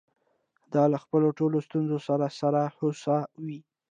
دا له خپلو ټولو ستونزو سره سره هوسا وې.